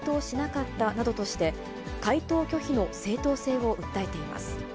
また重複した質問には回答しなかったなどとして、回答拒否の正当性を訴えています。